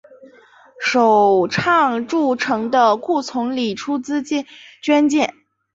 首倡筑城的顾从礼出资捐建。